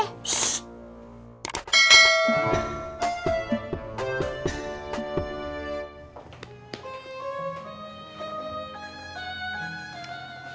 ibu ngapain bikin teh